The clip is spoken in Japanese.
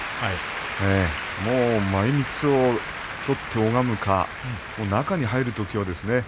もう前みつを取って拝むか中に入るときはですね